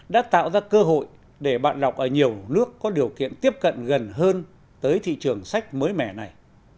đã tạo ra cơ hội để bạn đọc ở nhiều nước có điều kiện tiếp cận gần hơn tới thị trường sách mới mẻ này